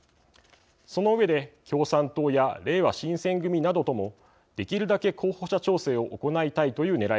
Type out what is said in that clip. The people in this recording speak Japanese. その上で共産党やれいわ新選組などともできるだけ候補者調整を行いたいというねらいがあります。